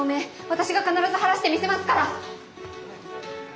私が必ず晴らしてみせますから！